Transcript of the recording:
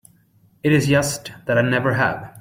It's just that I never have.